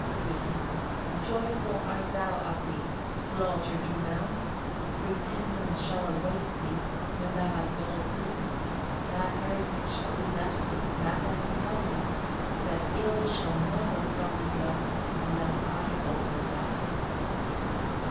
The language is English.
Gudrun. 65. Joyful art thou, Atli! slaughter to announce: repentance shall await thee, when thou hast all proved. That heritage shall be left thee that I can tell thee that ill shall never from thee go, unless I also die.